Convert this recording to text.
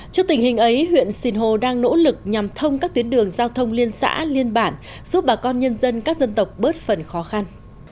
trước tình hình ấy huyện sinh hồ đang nỗ lực nhằm thông các tuyến đường giao thông liên xã liên bản giúp bà con nhân dân các dân tộc bớt phần khó khăn